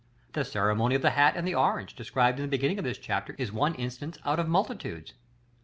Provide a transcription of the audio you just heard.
The ceremony of the hat and the orange, described in the beginning of this chapter, is one instance out of multitudes.